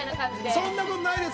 そんなことないです。